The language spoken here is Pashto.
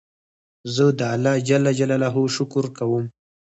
زه د الله جل جلاله شکر کوم.